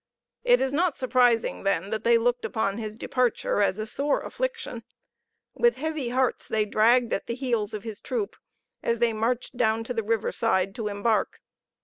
It is not surprising, then, that they looked upon his departure as a sore affliction. With heavy hearts they dragged at the heels of his troop, as they marched down to the riverside to embark.